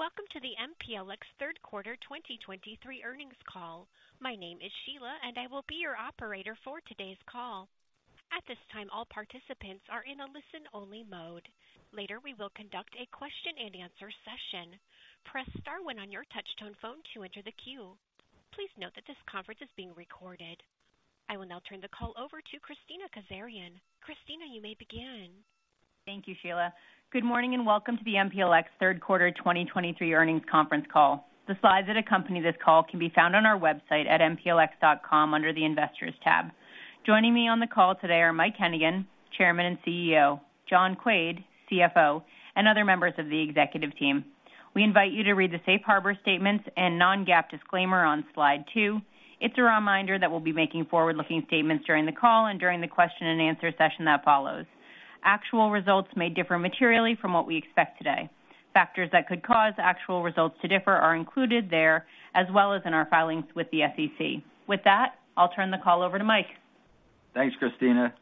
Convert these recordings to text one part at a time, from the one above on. Welcome to the MPLX Third Quarter 2023 earnings call. My name is Sheila, and I will be your operator for today's call. At this time, all participants are in a listen-only mode. Later, we will conduct a question-and-answer session. Press * one on your touchtone phone to enter the queue. Please note that this conference is being recorded. I will now turn the call over to Kristina Kazarian. Kristina, you may begin. Thank you, Sheila. Good morning, and welcome to the MPLX Third Quarter 2023 earnings conference call. The slides that accompany this call can be found on our website at mplx.com under the Investors tab. Joining me on the call today are Mike Hennigan, Chairman and CEO, John Quaid, CFO, and other members of the executive team. We invite you to read the safe harbor statements and non-GAAP disclaimer on slide 2. It's a reminder that we'll be making forward-looking statements during the call and during the question-and-answer session that follows. Actual results may differ materially from what we expect today. Factors that could cause actual results to differ are included there, as well as in our filings with the SEC. With that, I'll turn the call over to Mike. Thanks, Kristina.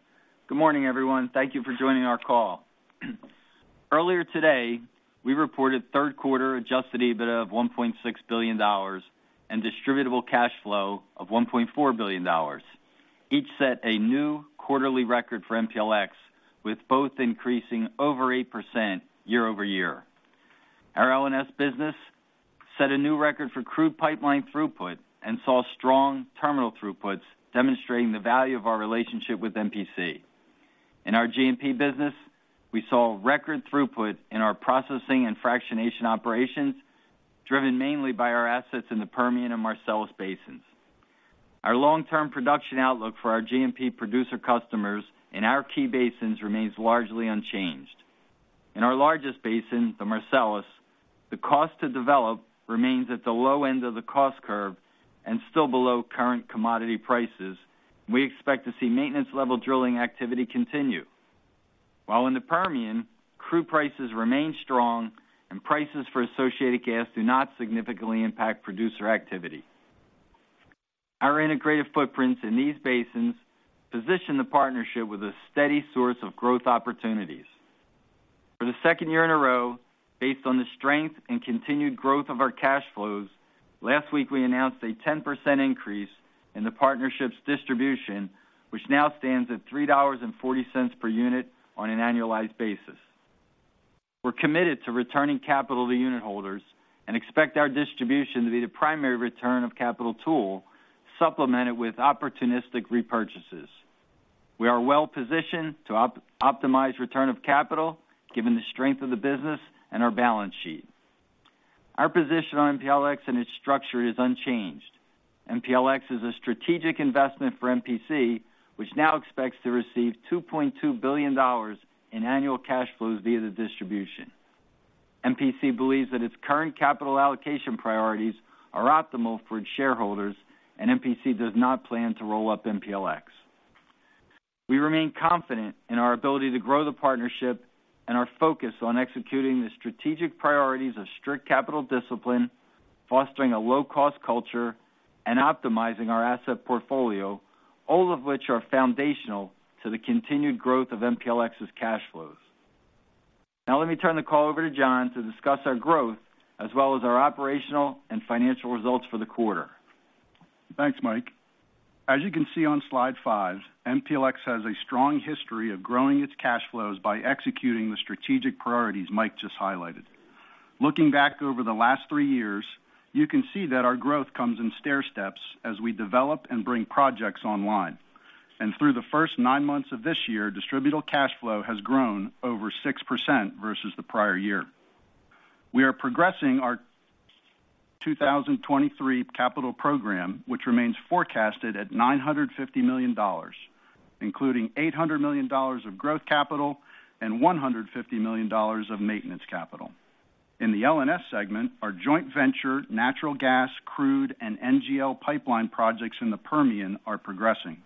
Good morning, everyone. Thank you for joining our call. Earlier today, we reported third quarter adjusted EBITDA of $1.6 billion and distributable cash flow of $1.4 billion. Each set a new quarterly record for MPLX, with both increasing over 8% year-over-year. Our L&S business set a new record for crude pipeline throughput and saw strong terminal throughputs, demonstrating the value of our relationship with MPC. In our G&P business, we saw record throughput in our processing and fractionation operations, driven mainly by our assets in the Permian and Marcellus basins. Our long-term production outlook for our G&P producer customers in our key basins remains largely unchanged. In our largest basin, the Marcellus, the cost to develop remains at the low end of the cost curve and still below current commodity prices. We expect to see maintenance-level drilling activity continue. While in the Permian, crude prices remain strong and prices for associated gas do not significantly impact producer activity. Our integrated footprints in these basins position the partnership with a steady source of growth opportunities. For the second year in a row, based on the strength and continued growth of our cash flows, last week, we announced a 10% increase in the partnership's distribution, which now stands at $3.40 per unit on an annualized basis. We're committed to returning capital to unit holders and expect our distribution to be the primary return of capital tool, supplemented with opportunistic repurchases. We are well-positioned to optimize return of capital, given the strength of the business and our balance sheet. Our position on MPLX and its structure is unchanged. MPLX is a strategic investment for MPC, which now expects to receive $2.2 billion in annual cash flows via the distribution. MPC believes that its current capital allocation priorities are optimal for its shareholders, and MPC does not plan to roll up MPLX. We remain confident in our ability to grow the partnership and are focused on executing the strategic priorities of strict capital discipline, fostering a low-cost culture, and optimizing our asset portfolio, all of which are foundational to the continued growth of MPLX's cash flows. Now, let me turn the call over to John to discuss our growth, as well as our operational and financial results for the quarter. Thanks, Mike. As you can see on slide 5, MPLX has a strong history of growing its cash flows by executing the strategic priorities Mike just highlighted. Looking back over the last three years, you can see that our growth comes in stairsteps as we develop and bring projects online. Through the first nine months of this year, distributable cash flow has grown over 6% versus the prior year. We are progressing our 2023 capital program, which remains forecasted at $950 million, including $800 million of growth capital and $150 million of maintenance capital. In the L&S segment, our joint venture, natural gas, crude, and NGL pipeline projects in the Permian are progressing.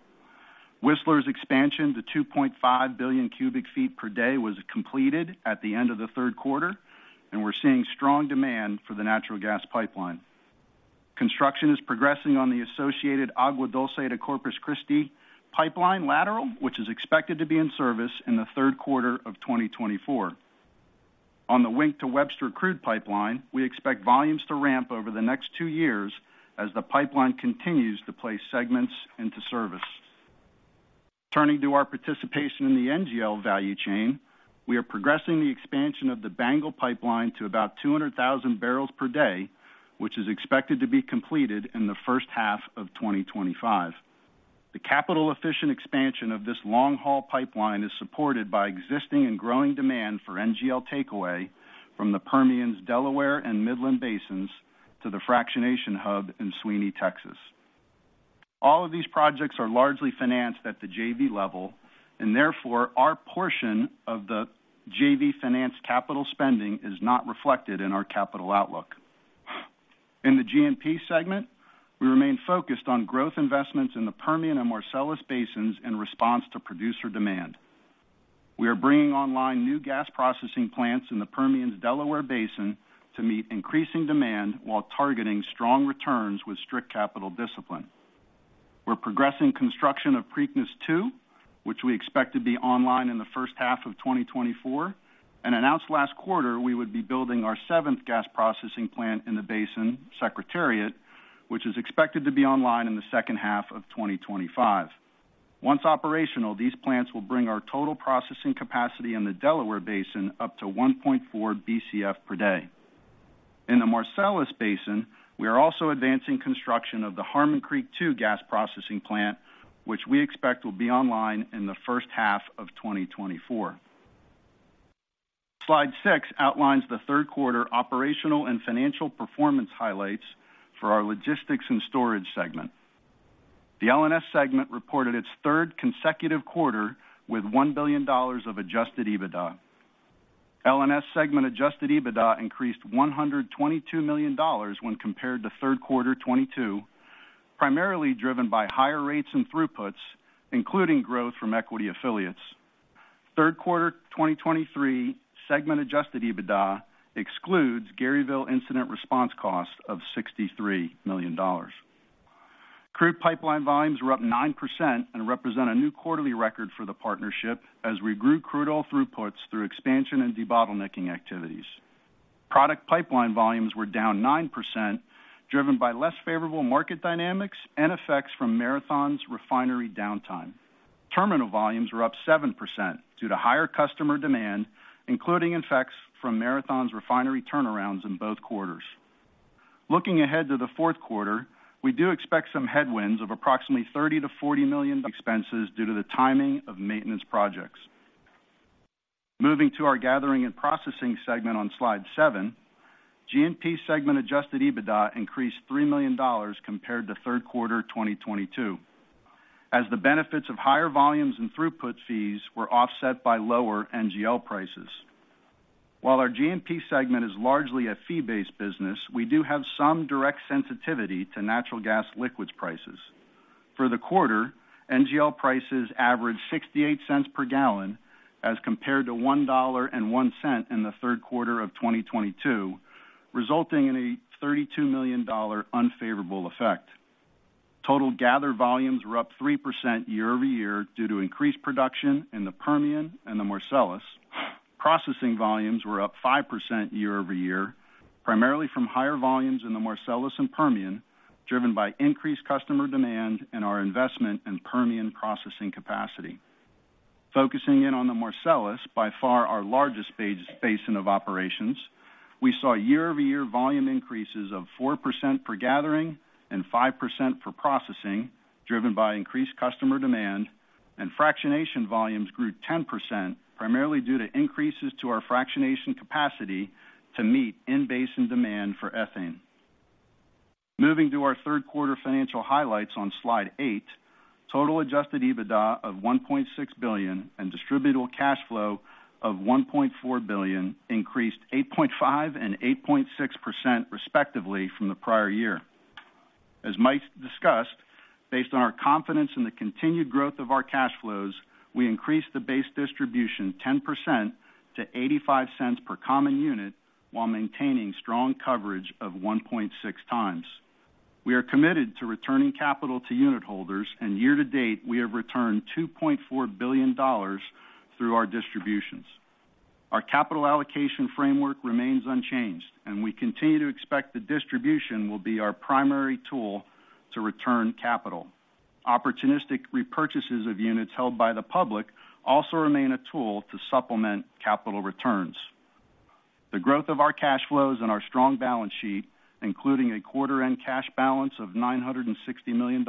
Whistler's expansion to 2.5 billion cubic feet per day was completed at the end of the third quarter, and we're seeing strong demand for the natural gas pipeline. Construction is progressing on the associated Agua Dulce to Corpus Christi pipeline lateral, which is expected to be in service in the third quarter of 2024. On the Wink to Webster Pipeline, we expect volumes to ramp over the next two years as the pipeline continues to place segments into service. Turning to our participation in the NGL value chain, we are progressing the expansion of the Bengal Pipeline to about 200,000 barrels per day, which is expected to be completed in the first half of 2025. The capital-efficient expansion of this long-haul pipeline is supported by existing and growing demand for NGL takeaway from the Permian’s Delaware and Midland basins to the fractionation hub in Sweeny, Texas. All of these projects are largely financed at the JV level, and therefore, our portion of the JV financed capital spending is not reflected in our capital outlook. In the G&P segment, we remain focused on growth investments in the Permian and Marcellus basins in response to producer demand. We are bringing online new gas processing plants in the Permian’s Delaware Basin to meet increasing demand while targeting strong returns with strict capital discipline. We're progressing construction of Preakness II, which we expect to be online in the first half of 2024, and announced last quarter we would be building our seventh gas processing plant in the basin, Secretariat, which is expected to be online in the second half of 2025. Once operational, these plants will bring our total processing capacity in the Delaware Basin up to 1.4 BCF per day. In the Marcellus Basin, we are also advancing construction of the Harmon Creek II gas processing plant, which we expect will be online in the first half of 2024. Slide 6 outlines the third quarter operational and financial performance highlights for our logistics and storage segment. The L&S segment reported its third consecutive quarter with $1 billion of adjusted EBITDA. L&S segment adjusted EBITDA increased $122 million when compared to third quarter 2022, primarily driven by higher rates and throughputs, including growth from equity affiliates. Third quarter 2023 segment adjusted EBITDA excludes Garyville incident response cost of $63 million. Crude pipeline volumes were up 9% and represent a new quarterly record for the partnership as we grew crude oil throughputs through expansion and debottlenecking activities. Product pipeline volumes were down 9%, driven by less favorable market dynamics and effects from Marathon's refinery downtime. Terminal volumes were up 7% due to higher customer demand, including effects from Marathon's refinery turnarounds in both quarters. Looking ahead to the fourth quarter, we do expect some headwinds of approximately $30 million-$40 million expenses due to the timing of maintenance projects. Moving to our gathering and processing segment on Slide 7, G&P segment Adjusted EBITDA increased $3 million compared to third quarter 2022, as the benefits of higher volumes and throughput fees were offset by lower NGL prices. While our G&P segment is largely a fee-based business, we do have some direct sensitivity to natural gas liquids prices. For the quarter, NGL prices averaged $0.68 per gallon as compared to $1.01 in the third quarter of 2022, resulting in a $32 million unfavorable effect. Total gathered volumes were up 3% year-over-year due to increased production in the Permian and the Marcellus. Processing volumes were up 5% year-over-year, primarily from higher volumes in the Marcellus and Permian, driven by increased customer demand and our investment in Permian processing capacity. Focusing in on the Marcellus, by far our largest basin of operations, we saw year-over-year volume increases of 4% for gathering and 5% for processing, driven by increased customer demand, and fractionation volumes grew 10%, primarily due to increases to our fractionation capacity to meet in-basin demand for ethane. Moving to our third quarter financial highlights on Slide eight, total Adjusted EBITDA of $1.6 billion and distributable cash flow of $1.4 billion increased 8.5% and 8.6%, respectively, from the prior year. As Mike discussed, based on our confidence in the continued growth of our cash flows, we increased the base distribution 10% to $0.85 per common unit, while maintaining strong coverage of 1.6 times. We are committed to returning capital to unit holders, and year to date, we have returned $2.4 billion through our distributions. Our capital allocation framework remains unchanged, and we continue to expect the distribution will be our primary tool to return capital. Opportunistic repurchases of units held by the public also remain a tool to supplement capital returns. The growth of our cash flows and our strong balance sheet, including a quarter-end cash balance of $960 million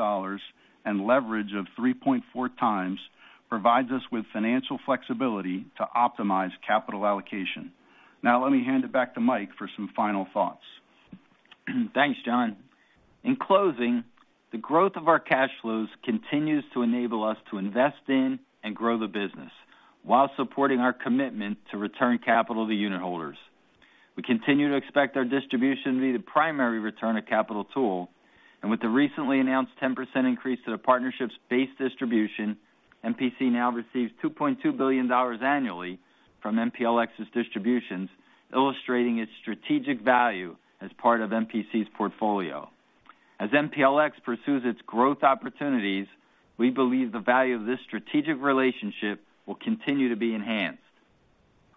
and leverage of 3.4 times, provides us with financial flexibility to optimize capital allocation. Now, let me hand it back to Mike for some final thoughts. Thanks, John. In closing, the growth of our cash flows continues to enable us to invest in and grow the business while supporting our commitment to return capital to unit holders. We continue to expect our distribution to be the primary return of capital tool, and with the recently announced 10% increase to the partnership's base distribution, MPC now receives $2.2 billion annually from MPLX's distributions, illustrating its strategic value as part of MPC's portfolio. As MPLX pursues its growth opportunities, we believe the value of this strategic relationship will continue to be enhanced.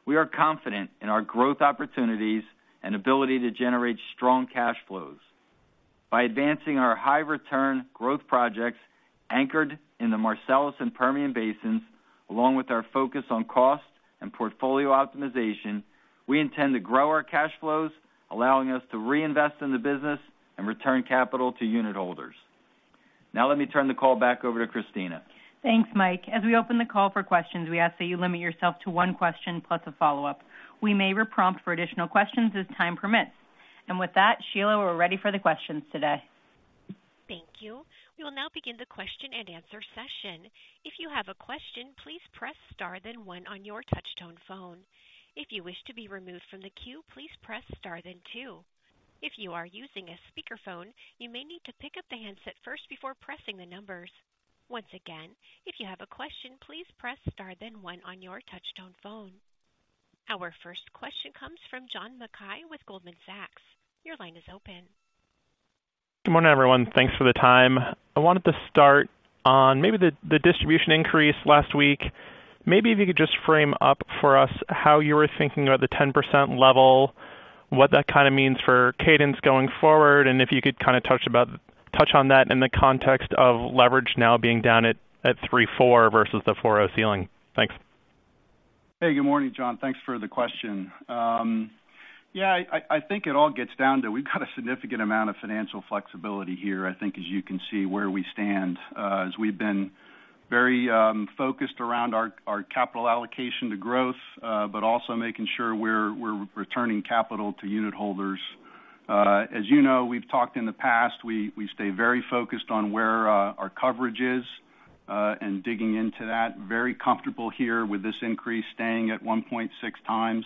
We are confident in our growth opportunities and ability to generate strong cash flows. By advancing our high return growth projects anchored in the Marcellus and Permian Basins, along with our focus on cost and portfolio optimization, we intend to grow our cash flows, allowing us to reinvest in the business and return capital to unit holders. Now let me turn the call back over to Kristina. Thanks, Mike. As we open the call for questions, we ask that you limit yourself to one question plus a follow-up. We may re-prompt for additional questions as time permits. With that, Sheila, we're ready for the questions today. Thank you. We will now begin the question and answer session. If you have a question, please press * then one on your touchtone phone. If you wish to be removed from the queue, please press * then two. If you are using a speakerphone, you may need to pick up the handset first before pressing the numbers. Once again, if you have a question, please press * then one on your touchtone phone. Our first question comes from John Mackay with Goldman Sachs. Your line is open. Good morning, everyone. Thanks for the time. I wanted to start on maybe the distribution increase last week. Maybe if you could just frame up for us how you were thinking about the 10% level, what that kind of means for cadence going forward, and if you could kind of touch on that in the context of leverage now being down at 3.4 versus the 4.0 ceiling. Thanks. Hey, good morning, John. Thanks for the question. Yeah, I think it all gets down to, we've got a significant amount of financial flexibility here. I think, as you can see, where we stand, as we've been very focused around our capital allocation to growth, but also making sure we're returning capital to unit holders. As you know, we've talked in the past, we stay very focused on where our coverage is, and digging into that. Very comfortable here with this increase, staying at 1.6 times.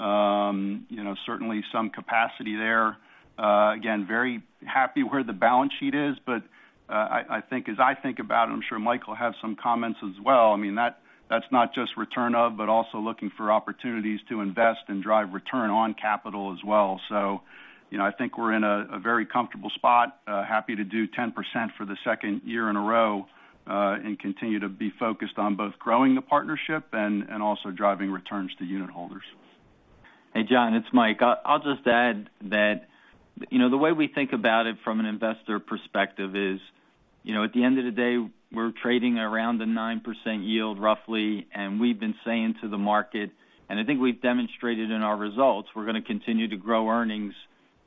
You know, certainly some capacity there. Again, very happy where the balance sheet is, but I think as I think about it, I'm sure Mike will have some comments as well. I mean, that, that's not just return of, but also looking for opportunities to invest and drive return on capital as well. So, you know, I think we're in a very comfortable spot. Happy to do 10% for the second year in a row, and continue to be focused on both growing the partnership and also driving returns to unit holders. Hey, John, it's Mike. I'll just add that, you know, the way we think about it from an investor perspective is, you know, at the end of the day, we're trading around a 9% yield, roughly. And we've been saying to the market, and I think we've demonstrated in our results, we're gonna continue to grow earnings,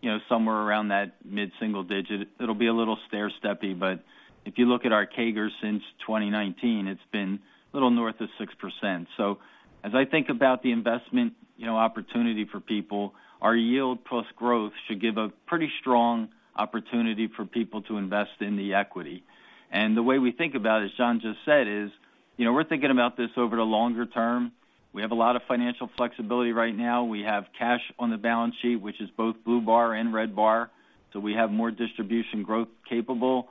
you know, somewhere around that mid-single digit. It'll be a little stairsteppy, but if you look at our CAGR since 2019, it's been a little north of 6%. So as I think about the investment, you know, opportunity for people, our yield plus growth should give a pretty strong opportunity for people to invest in the equity. And the way we think about it, as John just said, is, you know, we're thinking about this over the longer term. We have a lot of financial flexibility right now. We have cash on the balance sheet, which is both blue bar and red bar, so we have more distribution growth capable.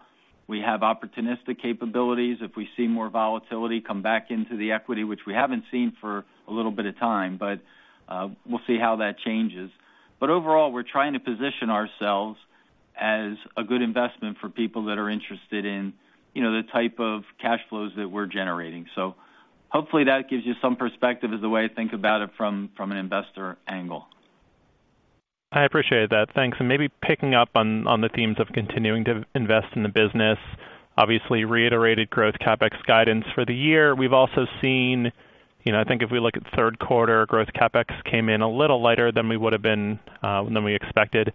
We have opportunistic capabilities. If we see more volatility, come back into the equity, which we haven't seen for a little bit of time, but we'll see how that changes. But overall, we're trying to position ourselves as a good investment for people that are interested in, you know, the type of cash flows that we're generating. So hopefully that gives you some perspective as the way I think about it from an investor angle. I appreciate that. Thanks. Maybe picking up on the themes of continuing to invest in the business, obviously reiterated growth CapEx guidance for the year. We've also seen, you know, I think if we look at third quarter, growth CapEx came in a little lighter than we would have been than we expected.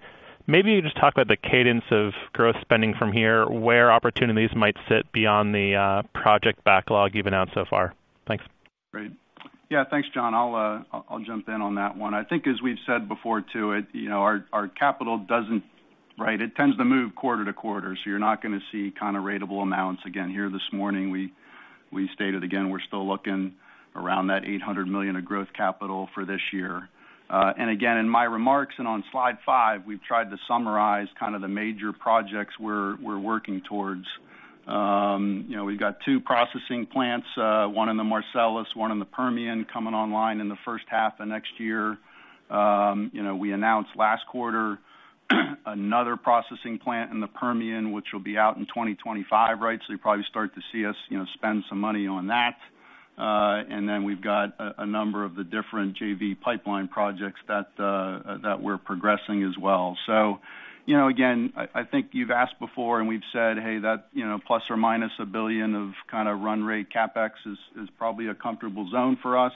Maybe you just talk about the cadence of growth spending from here, where opportunities might sit beyond the project backlog you've announced so far. Thanks. Great. Yeah, thanks, John. I'll jump in on that one. I think as we've said before, too, it. You know, our capital doesn't— right, it tends to move quarter to quarter, so you're not gonna see kind of ratable amounts. Again, here this morning, we stated again, we're still looking around that $800 million of growth capital for this year. And again, in my remarks and on slide five, we've tried to summarize kind of the major projects we're working towards. You know, we've got two processing plants, one in the Marcellus, one in the Permian, coming online in the first half of next year. You know, we announced last quarter another processing plant in the Permian, which will be out in 2025, right? So you'll probably start to see us, you know, spend some money on that. And then we've got a number of the different JV pipeline projects that we're progressing as well. So, you know, again, I think you've asked before, and we've said, "Hey, that, you know, ±$1 billion of kind of run rate CapEx is probably a comfortable zone for us."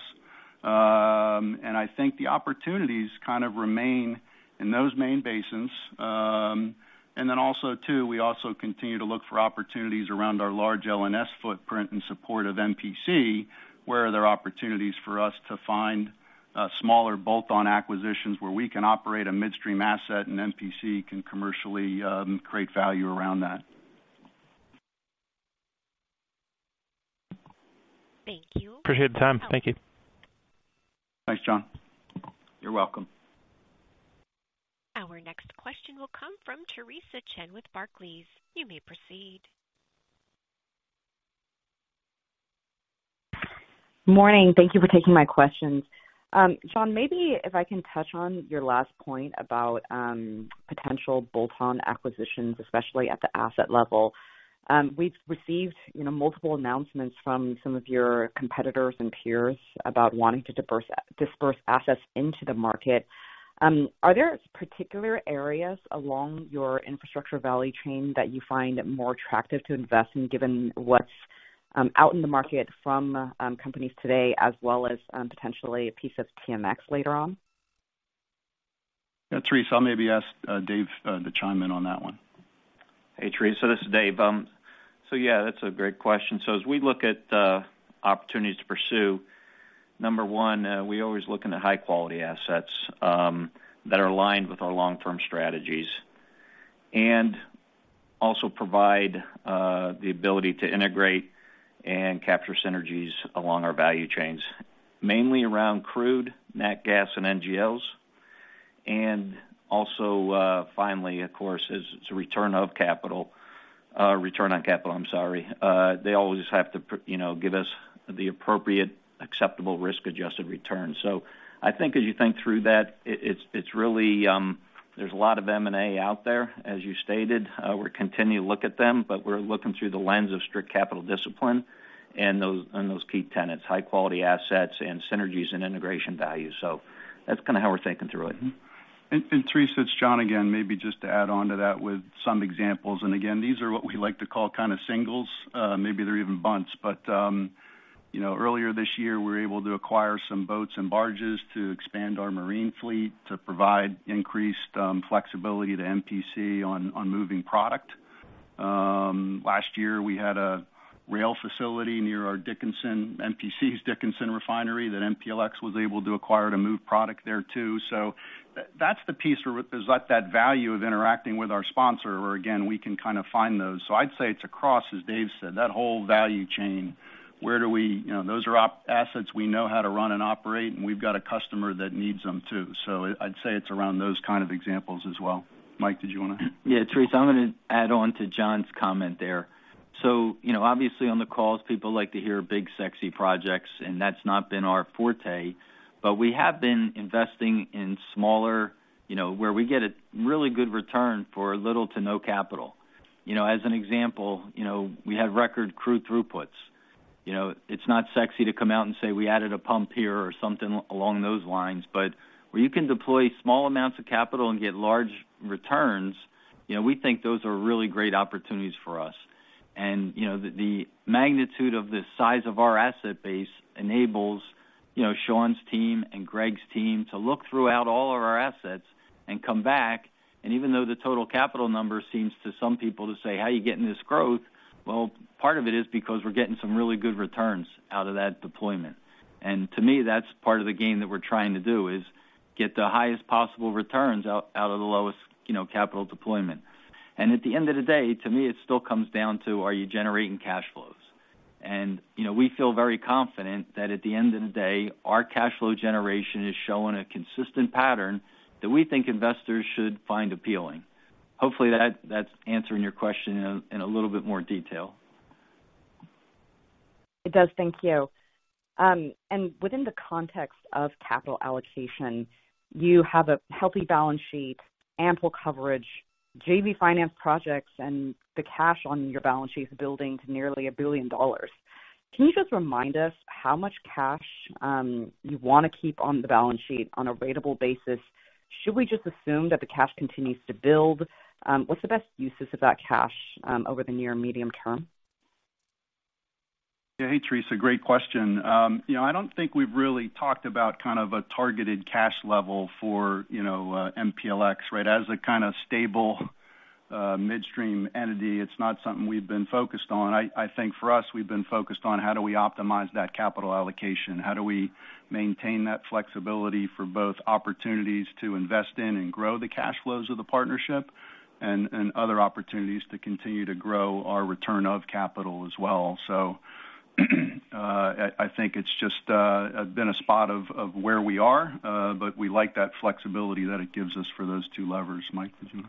And I think the opportunities kind of remain in those main basins. And then also, too, we also continue to look for opportunities around our large L&S footprint in support of MPC, where there are opportunities for us to find smaller bolt-on acquisitions, where we can operate a midstream asset and MPC can commercially create value around that. Thank you. Appreciate the time. Thank you. Thanks, John. You're welcome. Our next question will come from Theresa Chen with Barclays. You may proceed. Morning. Thank you for taking my questions. John, maybe if I can touch on your last point about potential bolt-on acquisitions, especially at the asset level. We've received, you know, multiple announcements from some of your competitors and peers about wanting to disperse assets into the market. Are there particular areas along your infrastructure value chain that you find more attractive to invest in, given what's out in the market from companies today, as well as potentially a piece of TMX later on? Yeah, Theresa, I'll maybe ask, Dave, to chime in on that one. Hey, Theresa, this is Dave. So yeah, that's a great question. So as we look at opportunities to pursue, number one, we're always looking at high-quality assets that are aligned with our long-term strategies, and also provide the ability to integrate and capture synergies along our value chains, mainly around crude, nat gas and NGLs. And also, finally, of course, it's a return of capital, return on capital, I'm sorry. They always have to you know, give us the appropriate acceptable risk-adjusted return. So I think as you think through that, it's really, there's a lot of M&A out there, as you stated. We're continuing to look at them, but we're looking through the lens of strict capital discipline and those key tenets, high-quality assets and synergies and integration value. So that's kind of how we're thinking through it. Theresa, it's John again, maybe just to add on to that with some examples. And again, these are what we like to call kind of singles, maybe they're even bunts. But you know, earlier this year, we were able to acquire some boats and barges to expand our marine fleet to provide increased flexibility to MPC on moving product. Last year, we had a rail facility near Dickinson, MPC's Dickinson refinery that MPLX was able to acquire to move product there, too. So that's the piece where there's that value of interacting with our sponsor, where, again, we can kind of find those. So I'd say it's across, as Dave said, that whole value chain. Where do we—you know, those are our assets we know how to run and operate, and we've got a customer that needs them, too. I'd say it's around those kind of examples as well. Mike, did you want to? Yeah, Theresa, I'm going to add on to John's comment there. So, you know, obviously, on the calls, people like to hear big, sexy projects, and that's not been our forte, but we have been investing in smaller, you know, where we get a really good return for little to no capital. You know, as an example, you know, we had record crude throughputs. You know, it's not sexy to come out and say, we added a pump here or something along those lines, but where you can deploy small amounts of capital and get large returns, you know, we think those are really great opportunities for us. And, you know, the magnitude of the size of our asset base enables, you know, Shawn's team and Greg's team to look throughout all of our assets and come back. Even though the total capital number seems to some people to say, how are you getting this growth? Well, part of it is because we're getting some really good returns out of that deployment. To me, that's part of the game that we're trying to do, is get the highest possible returns out of the lowest, you know, capital deployment. At the end of the day, to me, it still comes down to, are you generating cash flows? You know, we feel very confident that at the end of the day, our cash flow generation is showing a consistent pattern that we think investors should find appealing. Hopefully, that's answering your question in a little bit more detail. It does. Thank you. And within the context of capital allocation, you have a healthy balance sheet, ample coverage, JV finance projects, and the cash on your balance sheet is building to nearly $1 billion. Can you just remind us how much cash you want to keep on the balance sheet on a ratable basis? Should we just assume that the cash continues to build? What's the best uses of that cash over the near medium term? Yeah. Hey, Theresa, great question. You know, I don't think we've really talked about kind of a targeted cash level for, you know, MPLX, right? As a kind of stable midstream entity, it's not something we've been focused on. I think for us, we've been focused on how do we optimize that capital allocation? How do we maintain that flexibility for both opportunities to invest in and grow the cash flows of the partnership and other opportunities to continue to grow our return of capital as well? So, I think it's just been a spot of where we are, but we like that flexibility that it gives us for those two levers. Mike, did you?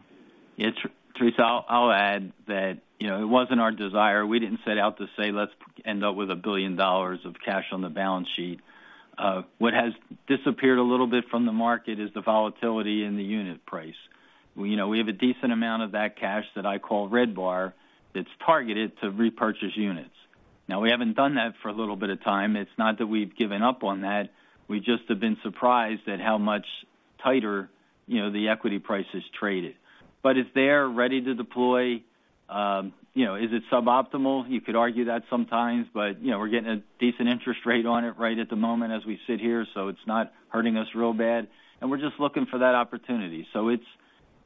Yeah, Theresa, I'll, I'll add that, you know, it wasn't our desire. We didn't set out to say, let's end up with $1 billion of cash on the balance sheet. What has disappeared a little bit from the market is the volatility in the unit price. We, you know, we have a decent amount of that cash that I call red bar, that's targeted to repurchase units. Now, we haven't done that for a little bit of time. It's not that we've given up on that. We just have been surprised at how much tighter, you know, the equity price is traded. But it's there, ready to deploy. You know, is it suboptimal? You could argue that sometimes, but, you know, we're getting a decent interest rate on it right at the moment as we sit here, so it's not hurting us real bad, and we're just looking for that opportunity. So it's,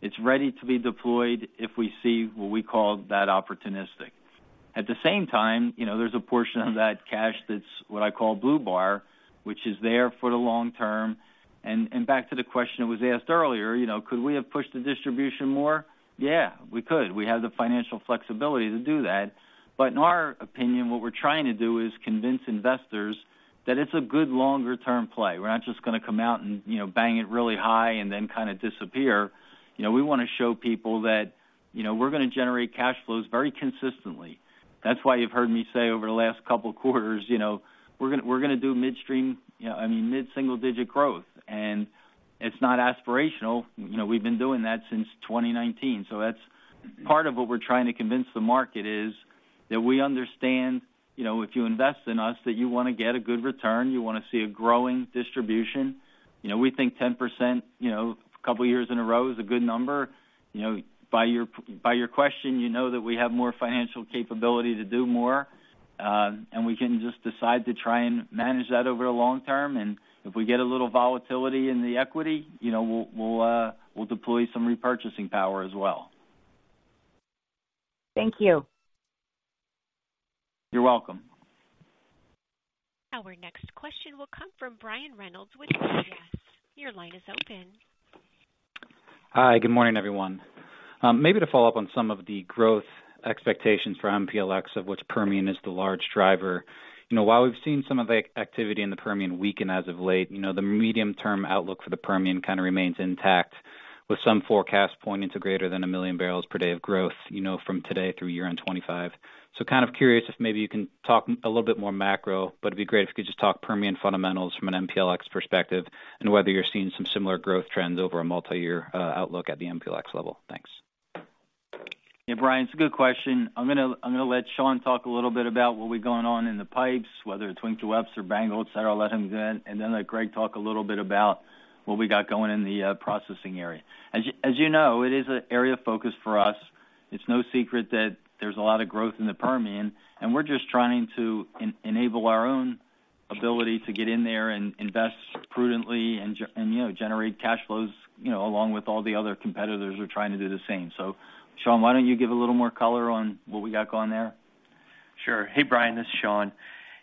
it's ready to be deployed if we see what we call that opportunistic. At the same time, you know, there's a portion of that cash that's what I call blue bar, which is there for the long term. And, and back to the question that was asked earlier, you know, could we have pushed the distribution more? Yeah, we could. We have the financial flexibility to do that. But in our opinion, what we're trying to do is convince investors that it's a good longer-term play. We're not just going to come out and, you know, bang it really high and then kind of disappear. You know, we want to show people that, you know, we're going to generate cash flows very consistently. That's why you've heard me say over the last couple of quarters, you know, we're gonna do midstream, you know, I mean, mid-single-digit growth, and it's not aspirational. You know, we've been doing that since 2019. So that's part of what we're trying to convince the market, is that we understand, you know, if you invest in us, that you want to get a good return, you want to see a growing distribution. You know, we think 10%, you know, a couple of years in a row is a good number. You know, by your question, you know that we have more financial capability to do more, and we can just decide to try and manage that over the long term. If we get a little volatility in the equity, you know, we'll deploy some repurchasing power as well. Thank you. You're welcome. Our next question will come from Brian Reynolds with UBS. Your line is open. Hi, good morning, everyone. Maybe to follow up on some of the growth expectations for MPLX, of which Permian is the large driver. You know, while we've seen some of the activity in the Permian weaken as of late, you know, the medium-term outlook for the Permian kind of remains intact, with some forecasts pointing to greater than 1 million barrels per day of growth, you know, from today through year-end 2025. So kind of curious if maybe you can talk a little bit more macro, but it'd be great if you could just talk Permian fundamentals from an MPLX perspective and whether you're seeing some similar growth trends over a multiyear outlook at the MPLX level. Thanks. Yeah, Brian, it's a good question. I'm gonna let Shawn talk a little bit about what we've going on in the pipes, whether it's Wink to Webster, Bengal, et cetera. I'll let him do that, and then let Greg talk a little bit about what we got going in the processing area. As you know, it is an area of focus for us. It's no secret that there's a lot of growth in the Permian, and we're just trying to enable our own ability to get in there and invest prudently and, and, you know, generate cash flows, you know, along with all the other competitors who are trying to do the same. So Shawn, why don't you give a little more color on what we got going there? Sure. Hey, Brian, this is Shawn.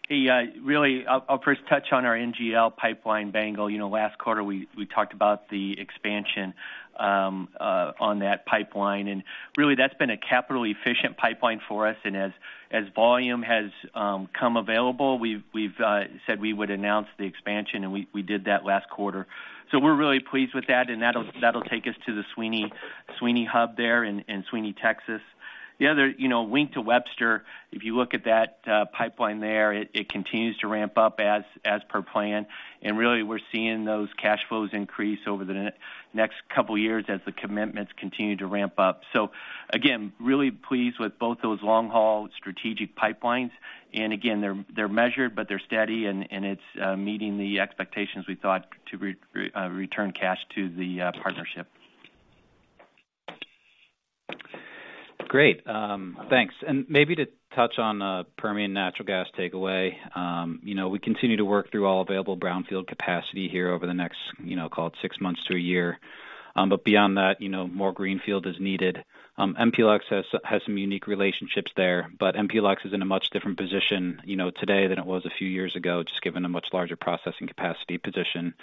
Hey, really, I'll, I'll first touch on our NGL pipeline, Bengal. You know, last quarter, we, we talked about the expansion on that pipeline, and really, that's been a capital-efficient pipeline for us. And as, as volume has come available, we've, we've said we would announce the expansion, and we, we did that last quarter. So we're really pleased with that, and that'll, that'll take us to the Sweeny, Sweeny hub there in, in Sweeny, Texas. The other, you know, Wink to Webster, if you look at that pipeline there, it, it continues to ramp up as, as per plan. And really, we're seeing those cash flows increase over the next couple of years as the commitments continue to ramp up. So again, really pleased with both those long-haul strategic pipelines. And again, they're measured, but they're steady, and it's meeting the expectations we thought to return cash to the partnership. Great. Thanks. And maybe to touch on Permian natural gas takeaway. You know, we continue to work through all available brownfield capacity here over the next, you know, call it six months to a year. But beyond that, you know, more greenfield is needed. MPLX has some unique relationships there, but MPLX is in a much different position, you know, today than it was a few years ago, just given a much larger processing capacity position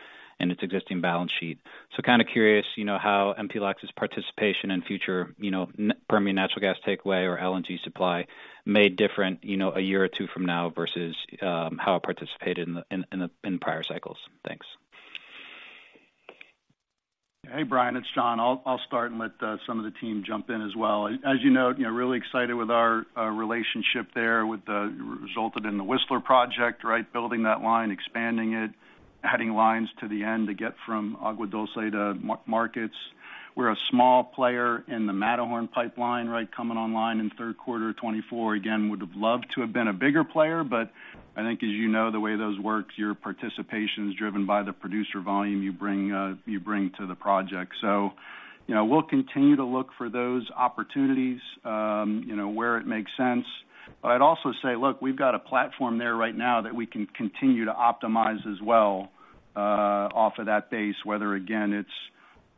and its existing balance sheet. So kind of curious, you know, how MPLX's participation in future, you know, in Permian natural gas takeaway or LNG supply may differ, you know, a year or two from now versus how it participated in the prior cycles. Thanks. Hey, Brian, it's John. I'll start and let some of the team jump in as well. As you know, really excited with our relationship there with them resulted in the Whistler project, right? Building that line, expanding it, adding lines to the end to get from Agua Dulce to markets. We're a small player in the Matterhorn pipeline, right? Coming online in third quarter of 2024. Again, would have loved to have been a bigger player, but I think, as you know, the way those work, your participation is driven by the producer volume you bring to the project. So, you know, we'll continue to look for those opportunities, you know, where it makes sense. But I'd also say, look, we've got a platform there right now that we can continue to optimize as well, off of that base, whether again, it's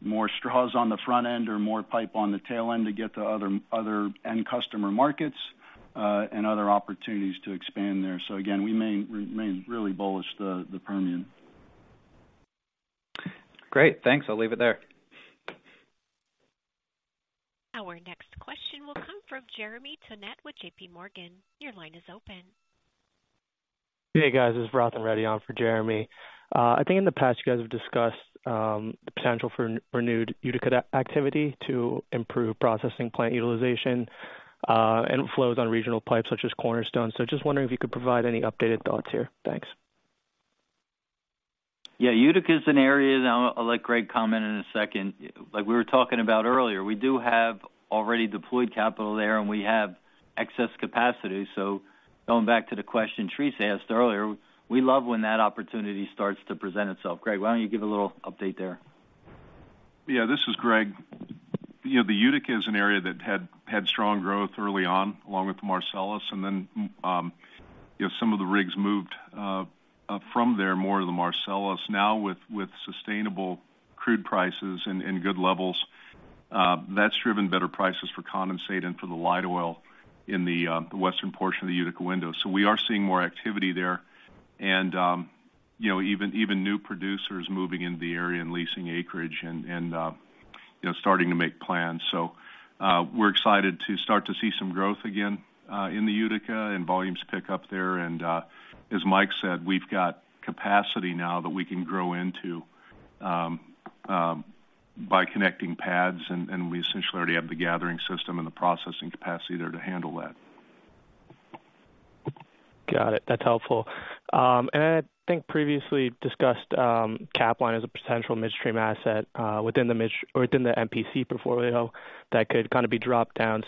more straws on the front end or more pipe on the tail end to get to other end customer markets, and other opportunities to expand there. So again, we remain really bullish the Permian. Great. Thanks. I'll leave it there. Our next question will come from Jeremy Tonet with JP Morgan. Your line is open. Hey, guys, this is Rajan Reddy on for Jeremy. I think in the past, you guys have discussed the potential for renewed Utica activity to improve processing plant utilization and flows on regional pipes such as Cornerstone. So just wondering if you could provide any updated thoughts here. Thanks. Yeah, Utica is an area that I'll, I'll let Greg comment in a second. Like we were talking about earlier, we do have already deployed capital there, and we have excess capacity. So going back to the question Theresa asked earlier, we love when that opportunity starts to present itself. Greg, why don't you give a little update there? Yeah, this is Greg. You know, the Utica is an area that had strong growth early on, along with the Marcellus, and then, you know, some of the rigs moved from there, more to the Marcellus. Now, with sustainable crude prices and good levels, that's driven better prices for condensate and for the light oil in the western portion of the Utica window. So we are seeing more activity there and, you know, even new producers moving into the area and leasing acreage and, you know, starting to make plans. So, we're excited to start to see some growth again in the Utica and volumes pick up there. As Mike said, we've got capacity now that we can grow into by connecting pads, and we essentially already have the gathering system and the processing capacity there to handle that. Got it. That's helpful. And I think previously discussed, Capline as a potential midstream asset, within the mid- or within the MPC portfolio that could kind of be dropped down.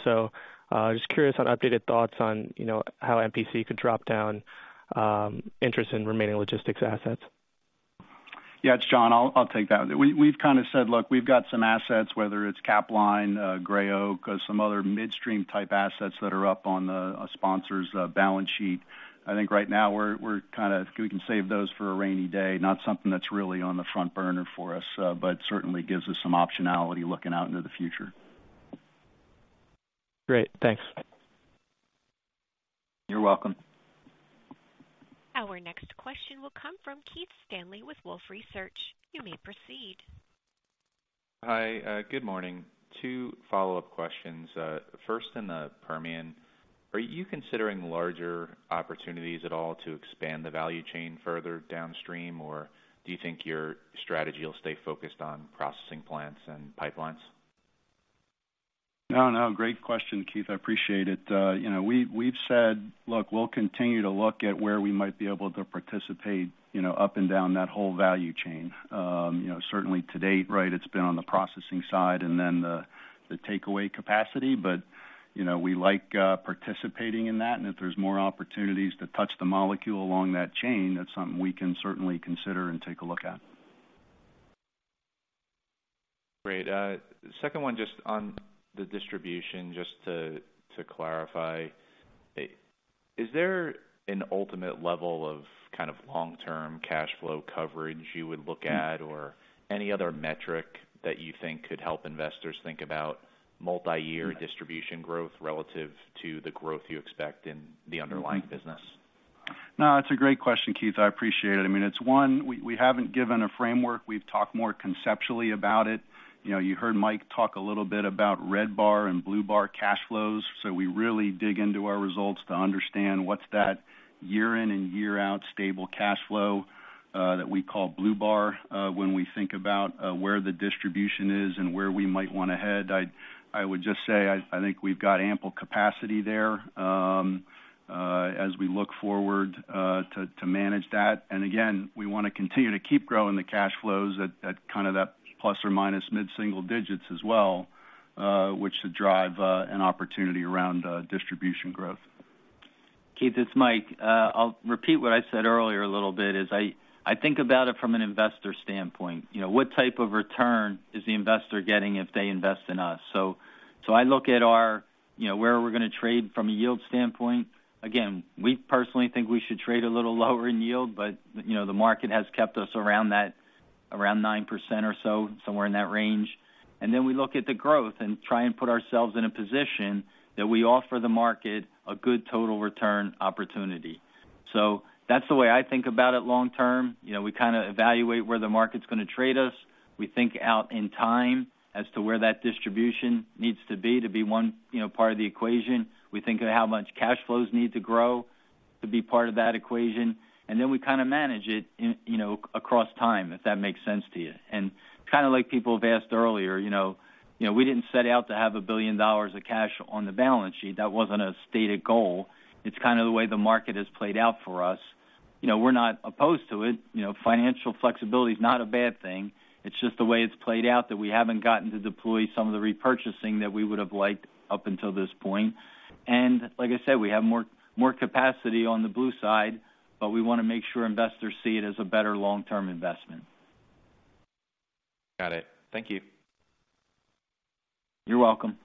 So, just curious on updated thoughts on, you know, how MPC could drop down, interest in remaining logistics assets. Yeah, it's John. I'll, I'll take that. We, we've kind of said, look, we've got some assets, whether it's Capline, Gray Oak, or some other midstream-type assets that are up on the sponsor's balance sheet. I think right now we're, we're kind of we can save those for a rainy day, not something that's really on the front burner for us, but certainly gives us some optionality looking out into the future. Great. Thanks.... You're welcome. Our next question will come from Keith Stanley with Wolfe Research. You may proceed. Hi, good morning. Two follow-up questions. First, in the Permian, are you considering larger opportunities at all to expand the value chain further downstream, or do you think your strategy will stay focused on processing plants and pipelines? No, no, great question, Keith. I appreciate it. You know, we, we've said, look, we'll continue to look at where we might be able to participate, you know, up and down that whole value chain. You know, certainly to date, right, it's been on the processing side and then the, the takeaway capacity. But, you know, we like participating in that, and if there's more opportunities to touch the molecule along that chain, that's something we can certainly consider and take a look at. Great. The second one, just on the distribution, just to, to clarify, is there an ultimate level of kind of long-term cash flow coverage you would look at, or any other metric that you think could help investors think about multi-year distribution growth relative to the growth you expect in the underlying business? No, it's a great question, Keith. I appreciate it. I mean, it's one, we haven't given a framework. We've talked more conceptually about it. You know, you heard Mike talk a little bit about red bar and blue bar cash flows. So we really dig into our results to understand what's that year in and year out stable cash flow that we call blue bar when we think about where the distribution is and where we might want to head. I would just say, I think we've got ample capacity there as we look forward to manage that. And again, we want to continue to keep growing the cash flows at kind of that plus or minus mid-single digits as well, which should drive an opportunity around distribution growth. Keith, it's Mike. I'll repeat what I said earlier a little bit, I think about it from an investor standpoint. You know, what type of return is the investor getting if they invest in us? So, so I look at our, you know, where we're going to trade from a yield standpoint. Again, we personally think we should trade a little lower in yield, but, you know, the market has kept us around that, around 9% or so, somewhere in that range. And then we look at the growth and try and put ourselves in a position that we offer the market a good total return opportunity. So that's the way I think about it long term. You know, we kind of evaluate where the market's going to trade us. We think out in time as to where that distribution needs to be to be one, you know, part of the equation. We think of how much cash flows need to grow to be part of that equation, and then we kind of manage it, in, you know, across time, if that makes sense to you. And kind of like people have asked earlier, you know, you know, we didn't set out to have $1 billion of cash on the balance sheet. That wasn't a stated goal. It's kind of the way the market has played out for us. You know, we're not opposed to it. You know, financial flexibility is not a bad thing. It's just the way it's played out, that we haven't gotten to deploy some of the repurchasing that we would have liked up until this point. Like I said, we have more capacity on the blue side, but we want to make sure investors see it as a better long-term investment. Got it. Thank you. You're welcome.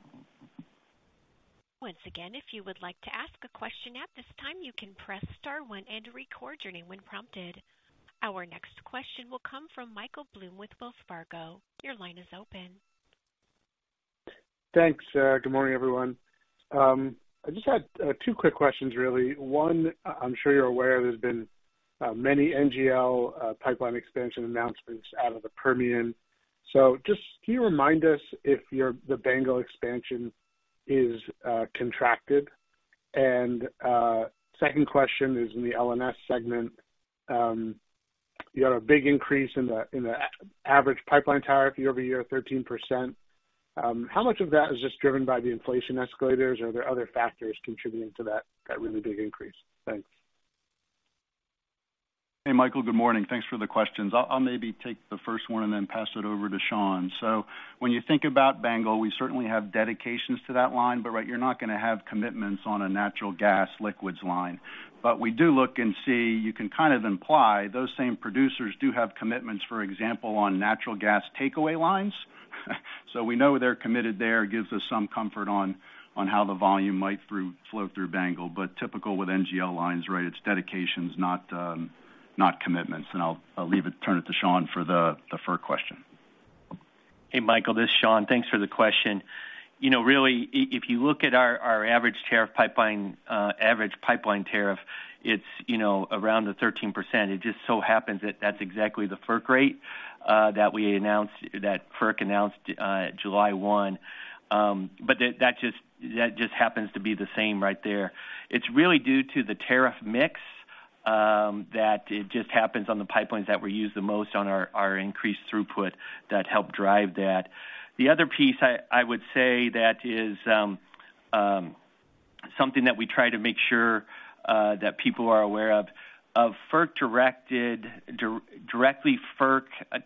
Once again, if you would like to ask a question at this time, you can press star one and record your name when prompted. Our next question will come from Michael Blum with Wells Fargo. Your line is open. Thanks, good morning, everyone. I just had two quick questions, really. One, I'm sure you're aware, there's been many NGL pipeline expansion announcements out of the Permian. So just can you remind us if your-- the Bengal expansion is contracted? And second question is in the L&S segment. You had a big increase in the average pipeline tariff year-over-year, 13%. How much of that is just driven by the inflation escalators? Are there other factors contributing to that really big increase? Thanks. Hey, Michael, good morning. Thanks for the questions. I'll, I'll maybe take the first one and then pass it over to Shawn. So when you think about Bengal, we certainly have dedications to that line, but, right, you're not going to have commitments on a natural gas liquids line. But we do look and see, you can kind of imply those same producers do have commitments, for example, on natural gas takeaway lines. So we know they're committed there. It gives us some comfort on, on how the volume might flow through Bengal, but typical with NGL lines, right, it's dedications, not, not commitments. And I'll, I'll turn it to Shawn for the, the FERC question. Hey, Michael, this is Shawn. Thanks for the question. You know, really, if you look at our average pipeline tariff, it's, you know, around the 13%. It just so happens that that's exactly the FERC rate that FERC announced July 1. But that just happens to be the same right there. It's really due to the tariff mix that it just happens on the pipelines that were used the most on our increased throughput that helped drive that. The other piece I would say that is something that we try to make sure that people are aware of, directly FERC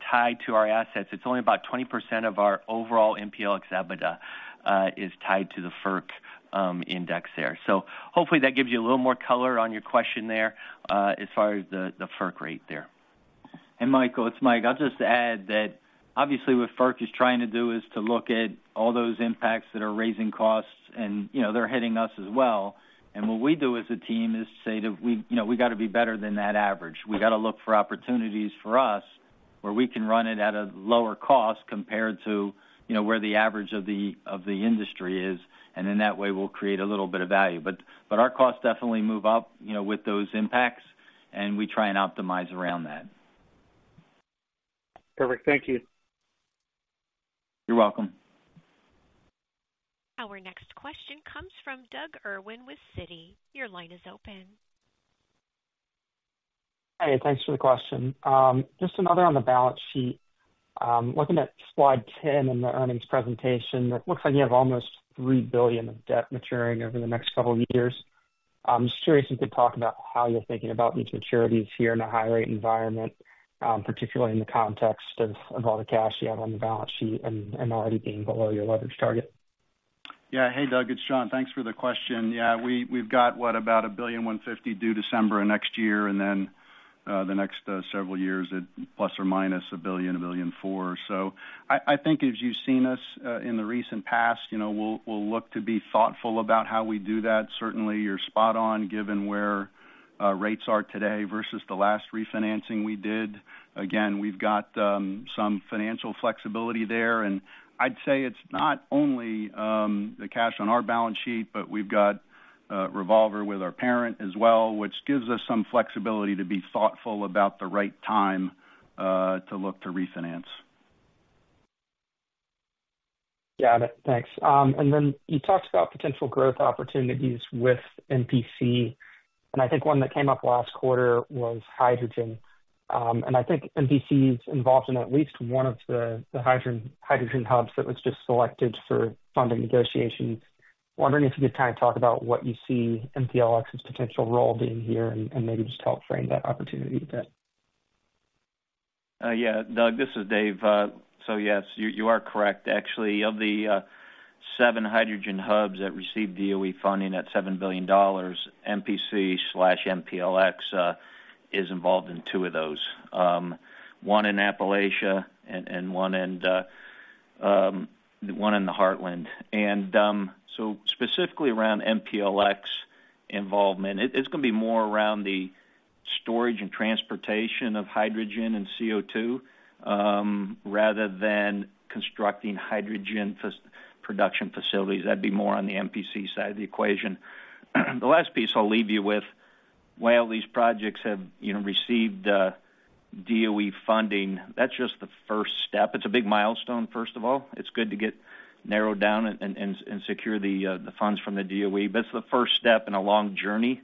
tied to our assets, it's only about 20% of our overall MPLX EBITDA is tied to the FERC index there. So hopefully, that gives you a little more color on your question there, as far as the FERC rate there. And Michael, it's Mike. I'll just add that obviously, what FERC is trying to do is to look at all those impacts that are raising costs, and, you know, they're hitting us as well. And what we do as a team is say that we—you know, we got to be better than that average. We got to look for opportunities for us.... where we can run it at a lower cost compared to, you know, where the average of the industry is, and in that way, we'll create a little bit of value. But our costs definitely move up, you know, with those impacts, and we try and optimize around that. Perfect. Thank you. You're welcome. Our next question comes from Doug Irwin with Citi. Your line is open. Hey, thanks for the question. Just another on the balance sheet. Looking at slide 10 in the earnings presentation, it looks like you have almost $3 billion of debt maturing over the next couple of years. I'm just curious if you could talk about how you're thinking about these maturities here in a high rate environment, particularly in the context of, of all the cash you have on the balance sheet and, and already being below your leverage target. Yeah. Hey, Doug, it's John. Thanks for the question. Yeah, we, we've got, what, about $1.15 billion due December of next year, and then, the next, several years at plus or minus $1 billion-$1.4 billion. So I, I think as you've seen us, in the recent past, you know, we'll, we'll look to be thoughtful about how we do that. Certainly, you're spot on, given where, rates are today versus the last refinancing we did. Again, we've got, some financial flexibility there, and I'd say it's not only, the cash on our balance sheet, but we've got a revolver with our parent as well, which gives us some flexibility to be thoughtful about the right time, to look to refinance. Got it. Thanks. And then you talked about potential growth opportunities with MPC, and I think one that came up last quarter was hydrogen. And I think MPC is involved in at least one of the hydrogen hubs that was just selected for funding negotiations. Wondering if you could kind of talk about what you see MPLX's potential role being here, and maybe just help frame that opportunity a bit? Yeah, Doug, this is Dave. So yes, you, you are correct. Actually, of the seven hydrogen hubs that received DOE funding at $7 billion, MPC slash MPLX is involved in two of those. One in Appalachia and one in the Heartland. So specifically around MPLX involvement, it's gonna be more around the storage and transportation of hydrogen and CO2 rather than constructing hydrogen production facilities. That'd be more on the MPC side of the equation. The last piece I'll leave you with, while these projects have, you know, received DOE funding, that's just the first step. It's a big milestone, first of all. It's good to get narrowed down and secure the funds from the DOE, but it's the first step in a long journey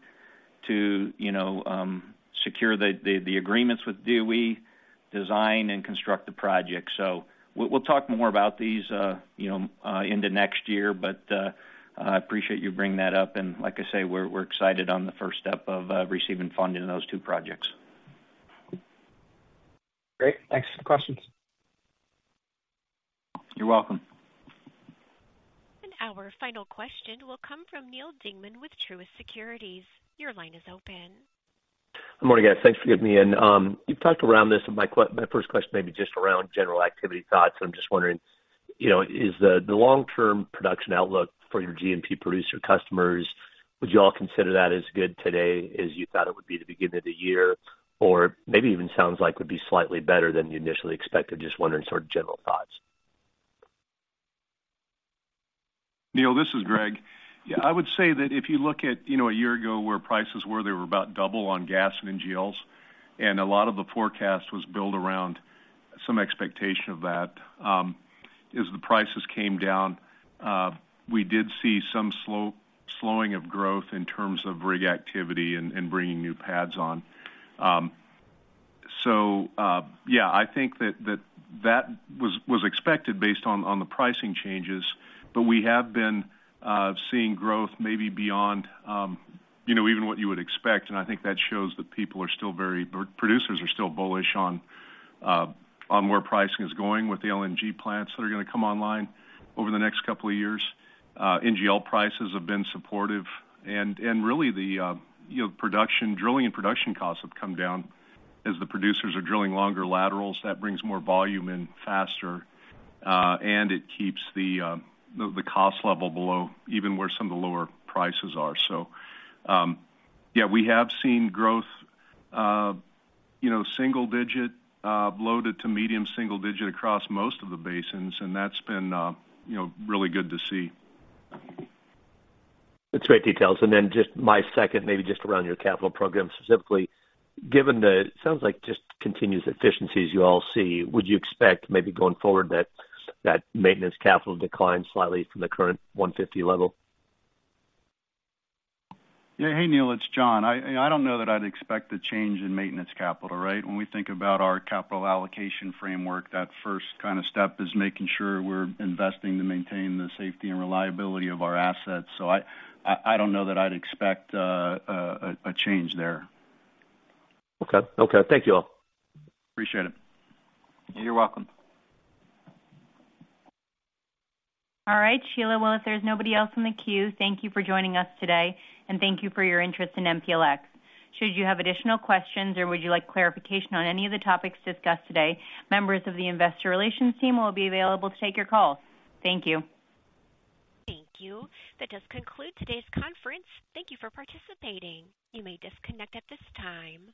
to, you know, secure the agreements with DOE, design and construct the project. So we'll talk more about these, you know, into next year, but I appreciate you bringing that up. And like I say, we're excited on the first step of receiving funding in those two projects. Great. Thanks for the questions. You're welcome. Our final question will come from Neal Dingman with Truist Securities. Your line is open. Good morning, guys. Thanks for getting me in. You've talked around this, and my first question may be just around general activity thoughts. I'm just wondering, you know, is the long-term production outlook for your G&P producer customers, would you all consider that as good today as you thought it would be at the beginning of the year, or maybe even sounds like would be slightly better than you initially expected? Just wondering, sort of general thoughts. Neal, this is Greg. Yeah, I would say that if you look at, you know, a year ago, where prices were, they were about double on gas and NGLs, and a lot of the forecast was built around some expectation of that. As the prices came down, we did see some slowing of growth in terms of rig activity and bringing new pads on. So, yeah, I think that that was expected based on the pricing changes, but we have been seeing growth maybe beyond, you know, even what you would expect, and I think that shows that people are still very producers are still bullish on where pricing is going with the LNG plants that are gonna come online over the next couple of years. NGL prices have been supportive, and really the, you know, production - drilling and production costs have come down. As the producers are drilling longer laterals, that brings more volume in faster, and it keeps the cost level below even where some of the lower prices are. So, yeah, we have seen growth, you know, low- to mid-single-digit across most of the basins, and that's been, you know, really good to see. That's great details. And then just my second, maybe just around your capital program specifically. Given the sounds like just continuous efficiencies you all see, would you expect maybe going forward that, that maintenance capital decline slightly from the current $150 level? Yeah. Hey, Neal, it's John. I don't know that I'd expect a change in maintenance capital, right? When we think about our capital allocation framework, that first kind of step is making sure we're investing to maintain the safety and reliability of our assets. So I don't know that I'd expect a change there. Okay. Okay. Thank you all. Appreciate it. You're welcome. All right, Sheila, well, if there's nobody else in the queue, thank you for joining us today, and thank you for your interest in MPLX. Should you have additional questions or would you like clarification on any of the topics discussed today, members of the investor relations team will be available to take your call. Thank you. Thank you. That does conclude today's conference. Thank you for participating. You may disconnect at this time.